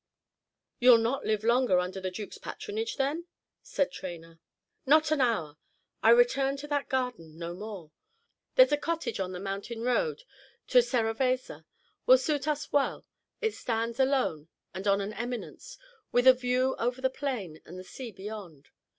"You 'll not live longer under the Duke's patronage, then?" said Traynor. "Not an hour. I return to that garden no more. There's a cottage on the mountain road to Serravezza will suit us well: it stands alone and on an eminence, with a view over the plain and the sea beyond.